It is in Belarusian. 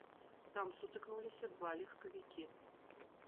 Там сутыкнуліся два легкавікі.